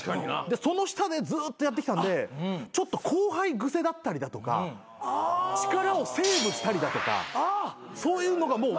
でその下でずっとやってきたんでちょっと後輩癖だったりだとか力をセーブしたりだとかそういうのがもう。